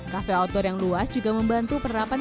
kafe outdoor yang luas juga membantu penerapan